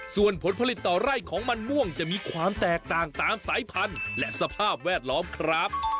ส่วนผลผลิตต่อไร่ของมันม่วงจะมีความแตกต่างตามสายพันธุ์และสภาพแวดล้อมครับ